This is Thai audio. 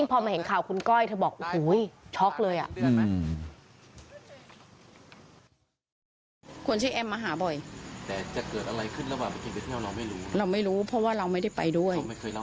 เราไม่รู้เพราะว่าเราไม่ได้ไปด้วย